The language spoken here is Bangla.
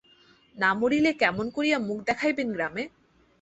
না মরিলে কেমন করিয়া মুখ দেখাইবেন গ্রামে?